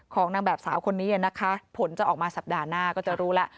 ของนางแบบสาวคนนี้นะคะผลจะออกมาสัปดาห์หน้าก็จะรู้แล้ว